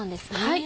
はい。